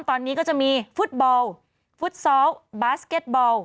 ตอนนี้ก็จะมีฟุตบอลฟุตซอลบาสเก็ตบอล